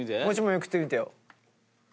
めくってみてよ。